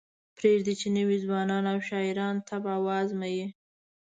پریږدئ چې نوي ځوانان او شاعران طبع وازمایي.